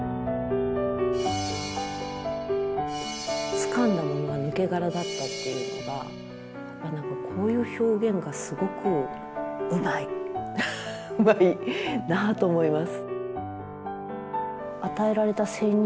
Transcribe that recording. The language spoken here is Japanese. つかんだものが抜け殻だったっていうのが何かこういう表現がすごくうまいうまいなと思います。